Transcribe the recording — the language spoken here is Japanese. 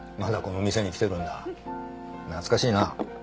懐かしいな。